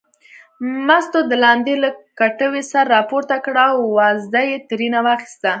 مستو د لاندې له کټوې سر راپورته کړ او وازده یې ترېنه واخیسته.